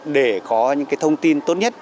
để có những thông tin tốt nhất